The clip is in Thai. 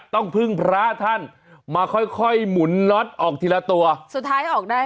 ต้องพึ่งพระท่านมาค่อยค่อยหมุนน็อตออกทีละตัวสุดท้ายออกได้